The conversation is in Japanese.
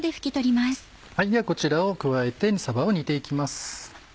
ではこちらを加えてさばを煮て行きます。